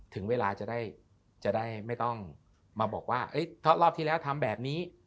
ถึงเวลาจะได้ไม่ต้องมาบอกว่าถ้ารอบที่แล้วทำแบบนี้